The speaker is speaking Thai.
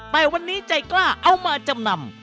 แต่วันนี้ใจกล้าเอามาจำนำ